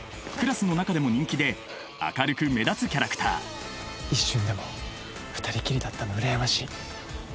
クラスの中でも人気で明るく目立つキャラクター一瞬でも２人きりだったの羨ましい。